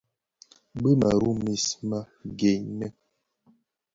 Bi mëru mis më gènè.